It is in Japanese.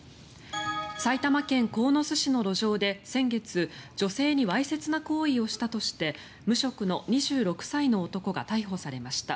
埼玉県鴻巣市の路上で先月女性にわいせつな行為をしたとして無職の２５歳の男が逮捕されました。